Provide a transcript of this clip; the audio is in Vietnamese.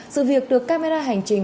sự việc được camera hành trình